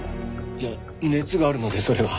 いや熱があるのでそれは。